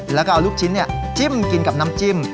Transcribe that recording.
แล้วก็เอาลูกชิ้นจิ้มกินกับน้ำจิ้ม